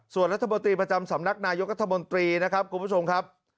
ส่วนรัฐมนตรีประจำสำนักนายกรัฐมนตรีนะครับคุณผู้ชมครับ